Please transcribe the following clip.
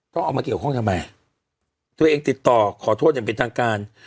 เอามาเกี่ยวข้องทำไมตัวเองติดต่อขอโทษอย่างเป็นทางการ